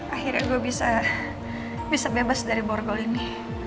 akhirnya gue bisa bebas dari borgol ini